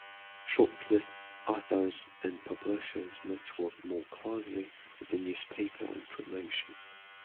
Shortlisted authors and publishers must work more closely with the newspaper on promotion.